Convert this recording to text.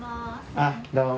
あっどうも。